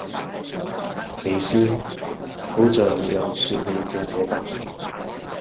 微笑...好像又說了謝謝吧